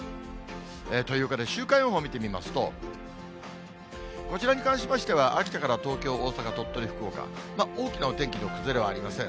というわけで、週間予報を見てみますと、こちらに関しましては、秋田から東京、大阪、鳥取、福岡、大きなお天気の崩れはありません。